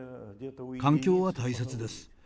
環境は大切です。